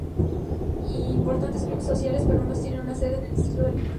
Importantes clubes sociales peruanos tienen una sede en el distrito de Lima.